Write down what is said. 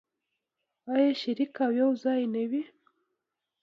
آیا شریک او یوځای نه وي؟